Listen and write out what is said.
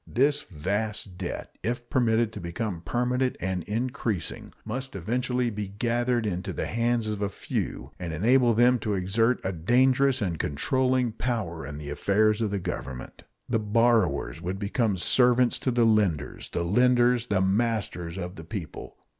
This vast debt, if permitted to become permanent and increasing, must eventually be gathered into the hands of a few, and enable them to exert a dangerous and controlling power in the affairs of the Government. The borrowers would become servants to the lenders, the lenders the masters of the people.